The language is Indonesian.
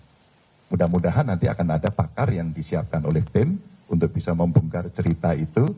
jadi mudah mudahan nanti akan ada pakar yang disiapkan oleh tim untuk bisa membungkar cerita itu